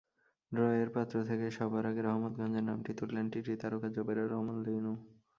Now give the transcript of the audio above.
ড্রয়ের পাত্র থেকে সবার আগে রহমতগঞ্জের নামটি তুললেন টিটি তারকা জোবেরা রহমান লিনু।